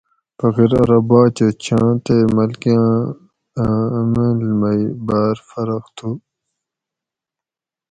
فقیر آرو باچہ چھاں تے ملکا اٞ عمل می بار فرق تُھو